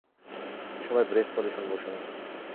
সবাই ব্রেস পজিশনে বসুন।